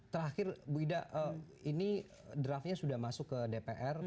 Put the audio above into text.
terakhir bu ida ini draftnya sudah masuk ke dpr